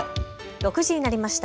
６時になりました。